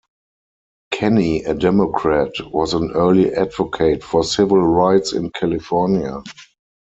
Kenny, a Democrat, was an early advocate for civil rights in California.